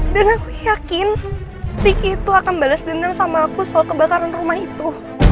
dan aku yakin ricky itu akan bales dendam sama aku soal kebakaran rumah itu